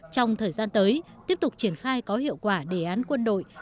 trong thời gian tới tiếp tục triển khai có hiệu quả đề án quân đội